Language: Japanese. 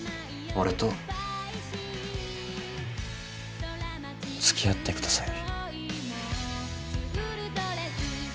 俺と付き合ってください。